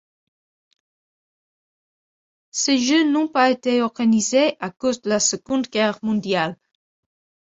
Ces Jeux n'ont pas été organisés à cause de la Seconde Guerre mondiale.